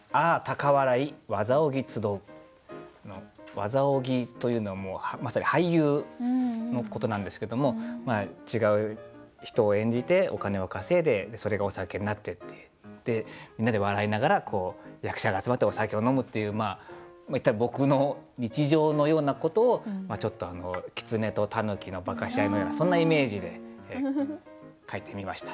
「わざおぎ」というのはまさに「俳優」のことなんですけども違う人を演じてお金を稼いでそれがお酒になってってみんなで笑いながら役者が集まってお酒を飲むっていういったら僕の日常のようなことをちょっときつねとたぬきの化かし合いのようなそんなイメージで書いてみました。